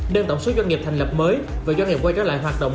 nên tổng số doanh nghiệp thành lập mới và doanh nghiệp quay trở lại hoạt động